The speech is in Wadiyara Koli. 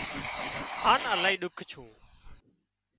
هانَ الاهي ۮُک ڇُون